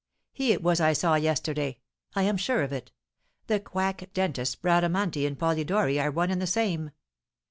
He it was I saw yesterday, I am sure of it, the quack dentist Bradamanti and Polidori are one and the same.